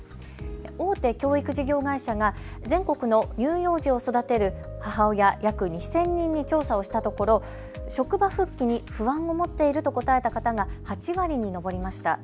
大手教育事業会社が全国の乳幼児を育てる母親、約２０００人に調査をしたところ職場復帰に不安を持っていると答えた方が８割に上りました。